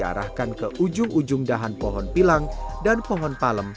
diarahkan ke ujung ujung dahan pohon pilang dan pohon palem